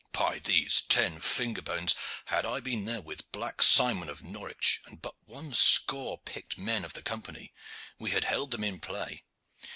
By these ten finger bones! had I been there with Black Simon of Norwich, and but one score picked men of the Company, we had held them in play.